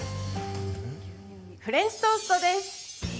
フレンチトーストです。